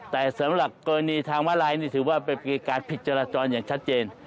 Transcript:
แต่สำหรับกรณีทางมาลัยนี่ถือว่าเป็นการผิดจราจรอย่างชัดเจน